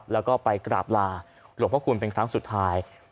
แล้วก็ไปกราบลาหลวงพระคุณเป็นครั้งสุดท้าย